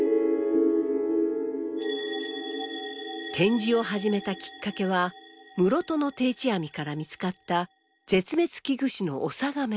展示を始めたきっかけは室戸の定置網から見つかった絶滅危惧種のオサガメ。